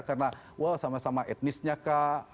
karena wah sama sama etnisnya kak